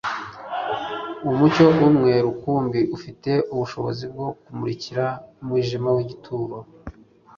Umucyo umwe rukumbi ufite ubushobozi bwo kumurikira umwijima w’igituro